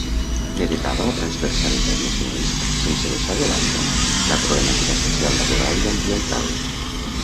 N'heretava la transversalitat nacionalista, sense deixar de banda la problemàtica social, laboral i ambiental.